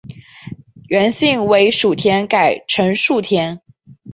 原姓为薮田改成薮田。